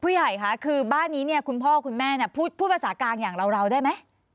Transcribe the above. ผู้ใหญ่ค่ะบ้านนี้คุณพ่อคุณแม่พูดพูดปราสาทการณ์หล่อได้ไหม